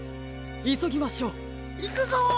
いそぎましょう。いくぞ！